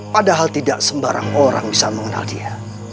padahal tidak sembarang orang bisa mengenal dia